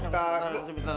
gua mau nyari kesempatan